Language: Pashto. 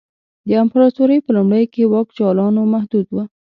د امپراتورۍ په لومړیو کې واک جالانو محدود و